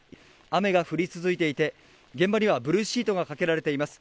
雨が降り続いていて、現場にはブルーシートがかけられています。